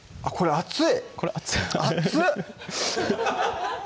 熱い！